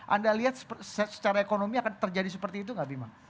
anda lihat secara ekonomi akan terjadi seperti itu nggak bima